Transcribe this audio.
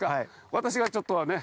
私がちょっとね。